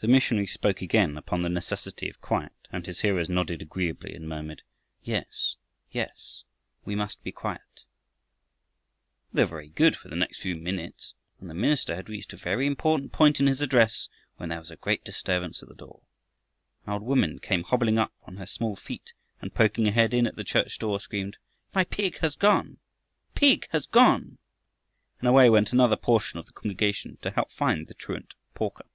The missionary spoke again upon the necessity of quiet, and his hearers nodded agreeably and murmured, "Yes, yes, we must be quiet." They were very good for the next few minutes and the minister had reached a very important point in his address, when there was a great disturbance at the door. An old woman came hobbling up on her small feet and poking her head in at the church door screamed, "My pig has gone! Pig has gone!" and away went another portion of the congregation to help find the truant porker.